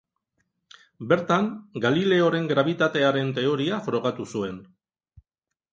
Bertan, Galileoren grabitatearen teoria frogatu zuen.